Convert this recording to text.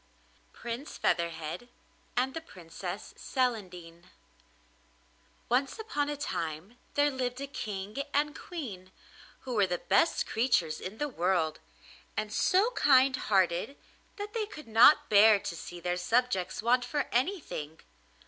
PRINCE FEATHERHEAD AND THE PRINCESS CELANDINE Once upon a time there lived a King and Queen, who were the best creatures in the world, and so kind hearted that they could not bear to see their subjects want for anything.